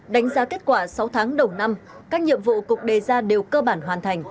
đánh giá kết quả sáu tháng đầu năm các nhiệm vụ cục đề ra đều cơ bản hoàn thành